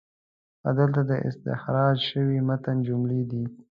ښه، دلته د استخراج شوي متن جملې دي: